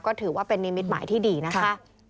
ก็ถือว่าเป็นนิมิตหมายที่ดีนะคะ